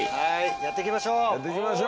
やって行きましょう。